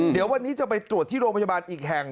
เดี๋ยววันนี้จะไปตรวจที่โรงพยาบาลอีกแห่ง